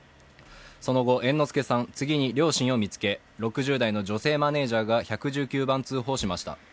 その後猿之助さん、次に両親を見つけ６０代の女性マネージャーが１１９番通報しました。